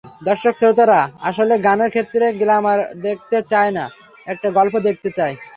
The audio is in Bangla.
দর্শক-শ্রোতারা আসলে গানের ক্ষেত্রে গ্ল্যামার দেখতে চায় না, একটা গল্প দেখতে চায়।